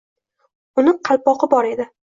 Uni qalpoqi bor edi.